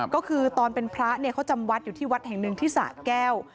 ก็คือตอนเป็นพระเขาจำวัดอยู่ที่วัดแห่งหนึ่งที่สะแก้ว